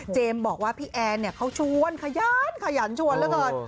เจมส์บอกว่าพี่แอนเนี่ยเขาชวนขยันชวนแล้วเถิด